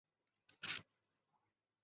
欠了他们一百多万